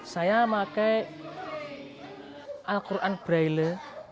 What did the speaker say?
saya menggunakan al qur'an braille